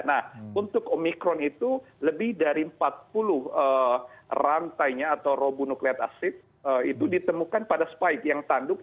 nah untuk omikron itu lebih dari empat puluh rantainya atau robunuklet asid itu ditemukan pada spike yang tanduk